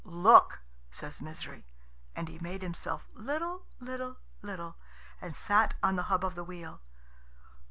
"Look," says Misery, and he made himself little, little, little, and sat on the hub of the wheel.